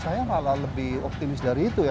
saya malah lebih optimis dari itu ya